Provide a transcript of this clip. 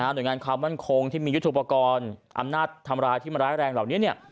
โดยงานความมั่นคงที่มียุทธุปกรณ์อำนาจทำร้ายที่มันร้ายแรงเหล่านี้